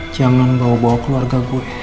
jangan bawa bawa keluarga gue